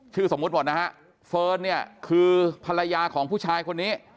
สมมุติก่อนนะฮะเฟิร์นเนี่ยคือภรรยาของผู้ชายคนนี้